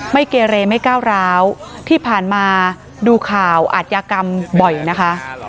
เกเรไม่ก้าวร้าวที่ผ่านมาดูข่าวอาทยากรรมบ่อยนะคะ